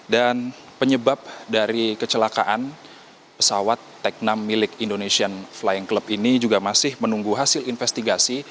dan penyebab dari kecelakaan pesawat teknam milik indonesian flying club ini juga masih menunggu hasil investigasi